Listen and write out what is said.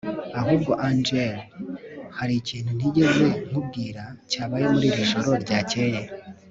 ahubwo Angel hari ikintu ntigeze nkubwira cyabaye muri iri joro ryakeye